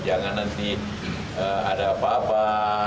jangan nanti ada apa apa